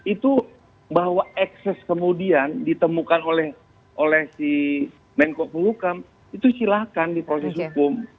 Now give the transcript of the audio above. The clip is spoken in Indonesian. itu bahwa ekses kemudian ditemukan oleh si menko polukam itu silakan di proses hukum